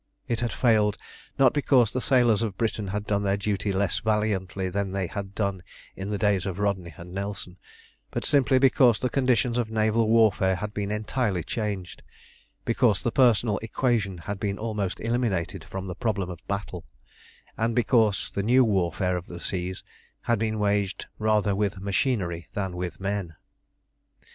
It had failed, not because the sailors of Britain had done their duty less valiantly than they had done in the days of Rodney and Nelson, but simply because the conditions of naval warfare had been entirely changed, because the personal equation had been almost eliminated from the problem of battle, and because the new warfare of the seas had been waged rather with machinery than with men.